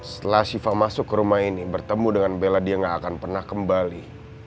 setelah siva masuk ke rumah ini bertemu dengan bella dia gak akan pernah kembali